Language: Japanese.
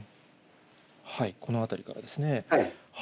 この辺りからですね。